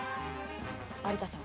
有田さん